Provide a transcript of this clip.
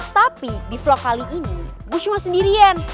tapi di vlog kali ini gus cuma sendirian